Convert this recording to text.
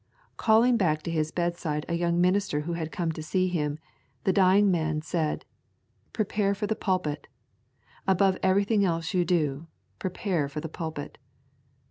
Calling back to his bedside a young minister who had come to see him, the dying man said: 'Prepare for the pulpit; above everything else you do, prepare for the pulpit.